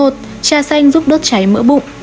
một trà xanh giúp đốt cháy mỡ bụng